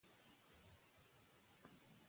که کور ته بلنه ورکړو نو قدر نه کمیږي.